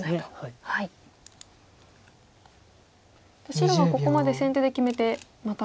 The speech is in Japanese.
白はここまで先手で決めてまた。